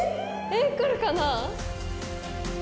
えっ来るかな？